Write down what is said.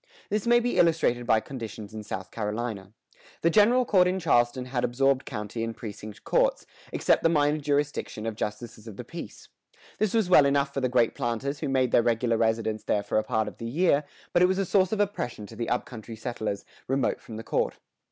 This may be illustrated by conditions in South Carolina. The general court in Charleston had absorbed county and precinct courts, except the minor jurisdiction of justices of the peace. This was well enough for the great planters who made their regular residence there for a part of each year; but it was a source of oppression to the up country settlers, remote from the court.